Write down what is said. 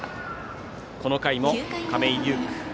この回も亀井颯